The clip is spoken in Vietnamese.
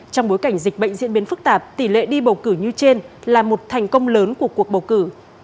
trong bối cảnh dịch bệnh diễn biến phức tạp tỷ lệ đi bầu cử như trên là một thành công lớn của cuộc bầu cử